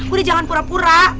udah jangan pura pura